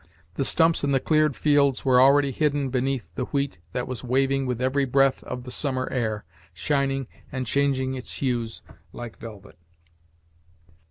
The stumps in the cleared fields were already hidden beneath the wheat that was waving with every breath of the sum mer air, shining and changing its hues like velvet.